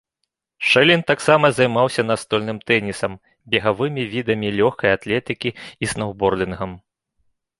Шэлін таксама займаўся настольным тэннісам, бегавымі відамі лёгкай атлетыкі і сноўбордынгам.